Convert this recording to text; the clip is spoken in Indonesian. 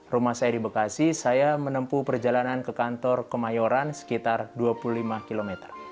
rumah saya di bekasi saya menempuh perjalanan ke kantor kemayoran sekitar dua puluh lima km